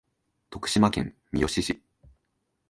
徳島県三好市